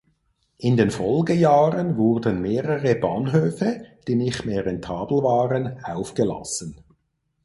In den Folgejahren wurden mehrere Bahnhöfe, die nicht mehr rentabel waren, aufgelassen.